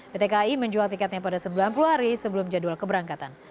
pt kai menjual tiketnya pada sembilan puluh hari sebelum jadwal keberangkatan